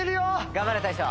頑張れ大昇。